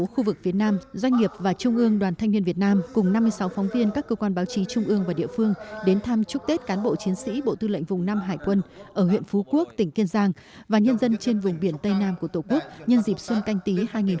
khu vực việt nam doanh nghiệp và trung ương đoàn thanh niên việt nam cùng năm mươi sáu phóng viên các cơ quan báo chí trung ương và địa phương đến thăm chúc tết cán bộ chiến sĩ bộ tư lệnh vùng năm hải quân ở huyện phú quốc tỉnh kiên giang và nhân dân trên vùng biển tây nam của tổ quốc nhân dịp xuân canh tí hai nghìn hai mươi